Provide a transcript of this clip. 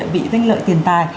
vị danh lợi tiền tài